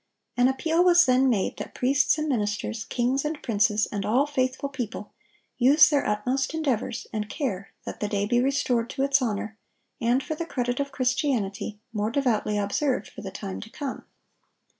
An appeal was then made that priests and ministers, kings and princes, and all faithful people, "use their utmost endeavors and care that the day be restored to its honor, and, for the credit of Christianity, more devoutly observed for the time to come."